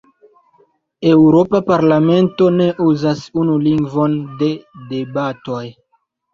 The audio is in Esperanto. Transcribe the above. Eŭropa Parlamento ne uzas unu lingvon de debatoj.